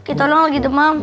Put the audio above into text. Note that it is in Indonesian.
kita ulang lagi demam